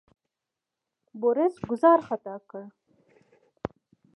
بوریس ګوزاره خطا کړه.